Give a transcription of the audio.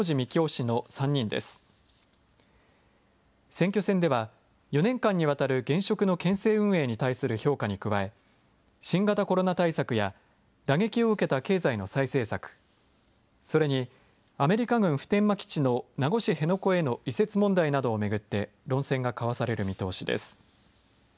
選挙戦では４年間にわたる現職の県政運営に対する評価に加え、新型コロナ対策や打撃を受けた経済の再生策、それにアメリカ軍普天間基地の名護市辺野古への移設問題などを巡って、論戦が交わされる見通しです。